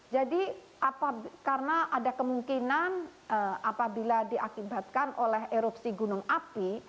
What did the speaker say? jadi karena ada kemungkinan apabila diakibatkan oleh erupsi gunung api